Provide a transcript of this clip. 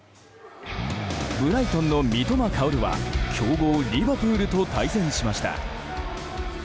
ブライトンの三笘薫は強豪リバプールと対戦しました。